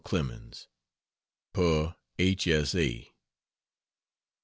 CLEMENS, (per H.